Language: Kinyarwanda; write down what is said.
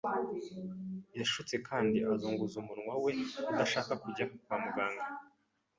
Yashutse kandi azunguza umwana we udashaka kujya kwa muganga w’amenyo.